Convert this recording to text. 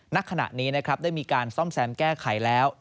ณขณะนี้นะครับได้มีการซ่อมแซมแก้ไขแล้ว